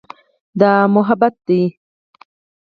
دا محبت ده.